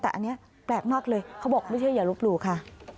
แต่อันนี้แปลกมากเลยเขาบอกว่าอย่าลุกค่ะ